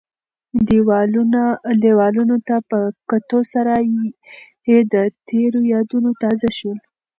دیوالونو ته په کتو سره یې د تېر یادونه تازه شول.